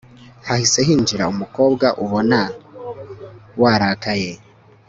hahise hinjira umukobwa ubona warakaye